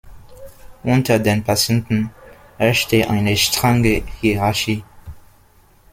Unter den Patienten herrschte eine strenge Hierarchie.